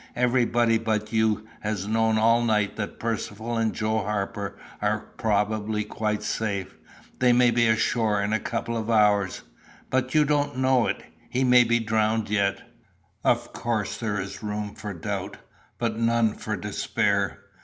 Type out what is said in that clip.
Everybody but you has known all night that Percivale and Joe Harper are probably quite safe. They may be ashore in a couple of hours." "But you don't know it. He may be drowned yet." "Of course there is room for doubt, but none for despair.